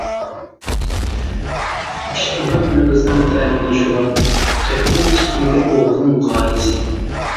پىشمىغان مېغىزنىڭ تەمىنى شوراپ، قېپىدىن چىقمىدى ئوغلۇم غايىسى.